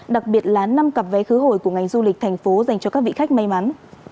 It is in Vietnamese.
đặc biệt là năm cặp vé khứ hồi của ngành du lịch thành phố dành cho các vị khách may mắn